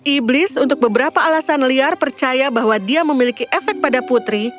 iblis untuk beberapa alasan liar percaya bahwa dia memiliki efek pada putri